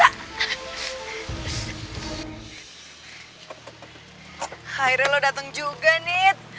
akhirnya lo dateng juga nit